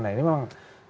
nah ini memang